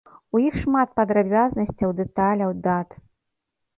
У іх шмат падрабязнасцяў, дэталяў, дат.